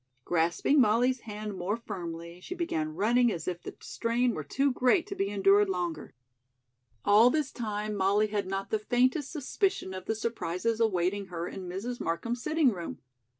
Grasping Molly's hand more firmly, she began running as if the strain were too great to be endured longer. All this time Molly had not the faintest suspicion of the surprises awaiting her in Mrs. Markham's sitting room.